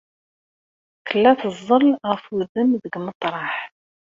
Tella teẓẓel ɣef udem deg umeṭreḥ.